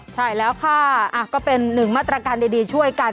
ใช่แล้วค่ะก็เป็นหนึ่งมาตรการดีช่วยกัน